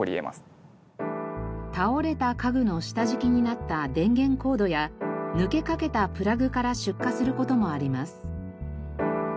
倒れた家具の下敷きになった電源コードや抜けかけたプラグから出火する事もあります。